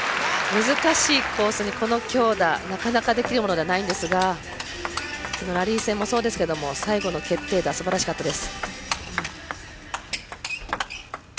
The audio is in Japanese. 難しいコース、この強打なかなかできるものではないんですがラリー戦もそうですけど最後の決定打すばらしかったです。